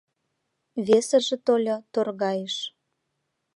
Весыже тольо — торгайыш